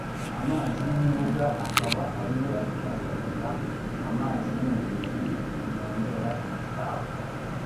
amazi y’ibuga akaba ariyo acyondoza, amazi y’umugezi ntiyondora igisabo